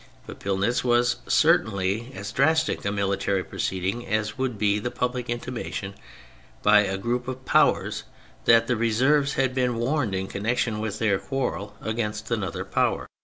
But Pillnitz was certainly as drastic a military proceeding as would be the public intimation by a group of Powers that the reserves had been warned in connection with their quarrel against another Power.